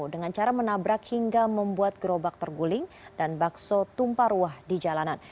dengan cara menabrak hingga membuat gerobak terguling dan bakso tumpah ruah di jalanan